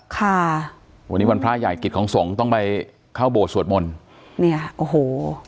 ค่ะวันนี้วันพระใหญ่กิจของสงฆ์ต้องไปเข้าโบสถสวดมนต์เนี่ยโอ้โห